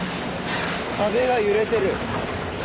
壁が揺れてる。